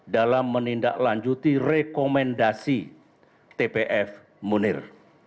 dalam menindaklanjuti rekomendasi tpf munir